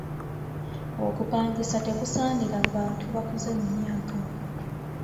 Okupangisa tekusaanira bantu bakuze mu myaka.